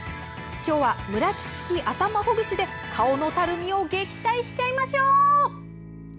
今日は、村木式頭ほぐしで顔のたるみを撃退しちゃいましょう！